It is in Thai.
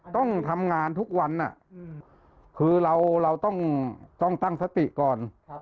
ต้องทำงานทุกวันคือเราต้องตั้งสติก่อน